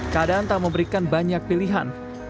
keadaan tak memberikan banyak pilihan